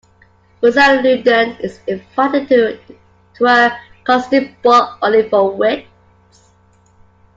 Ponceludon is invited to a costume ball only for wits.